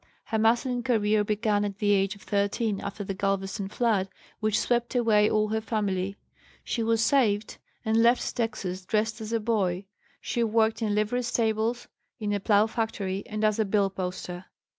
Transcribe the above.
Her masculine career began at the age of 13 after the Galveston flood which swept away all her family. She was saved and left Texas dressed as a boy. She worked in livery stables, in a plough factory, and as a bill poster.